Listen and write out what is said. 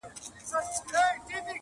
یاره بس چي له مقامه را سوه سم-